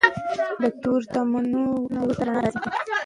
د تورتمونو نه وروسته رڼا راځي.